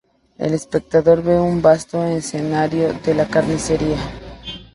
El espectador ve un vasto escenario de la carnicería.